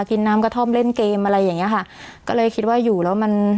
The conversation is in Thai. กินน้ำกระท่อมเล่นเกมอะไรอย่างเงี้ยค่ะก็เลยคิดว่าอยู่แล้วมัน